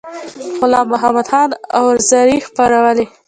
غلام محمدخان اوازې خپرولې.